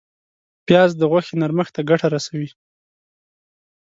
پیاز د غوښې نرمښت ته ګټه رسوي